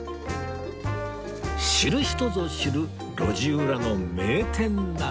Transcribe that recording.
知る人ぞ知る路地裏の名店なんです